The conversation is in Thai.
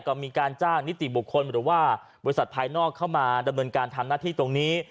ก็มีการจ้างนิติบุคคลหรือว่าบริษัทภายนอกเข้ามาดำเนินการทำหน้าที่ตรงนี้